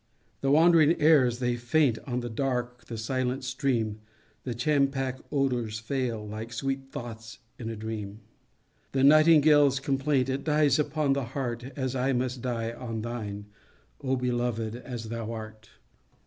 The wandering airs they faint On the dark the silent stream— The champak odors fail Like sweet thoughts in a dream; The nightingale's complaint, It dies upon her heart, As I must die on shine, O, beloved as thou art!